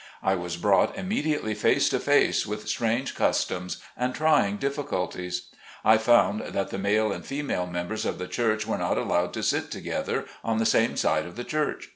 I was brought immediately face to face with strange customs and trying difficulties. RELIGIOUS CONDITION. 89 I found that the male and female members of the church were not allowed to sit together on the same side of the church.